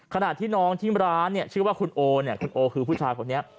ขณะที่น้องที่ร้านเนี่ยชื่อว่าคุณโอเนี่ยคุณโอคือผู้ชายคนนี้